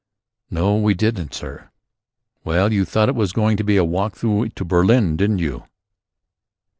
"No, we didn't, sir." "Well, you thought it was going to be a walk through to Berlin, didn't you?"